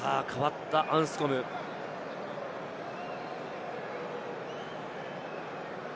代わったアンスコム。